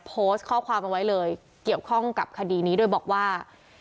โพสต์ข้อความเอาไว้เลยเกี่ยวข้องกับคดีนี้โดยบอกว่า